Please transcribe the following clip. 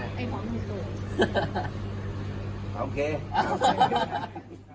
ไอ้หวังมีตัว